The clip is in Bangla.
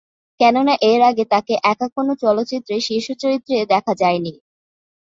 কেননা এর আগে তাকে একা কোনো চলচ্চিত্রের শীর্ষ চরিত্রে দেখা যায়নি।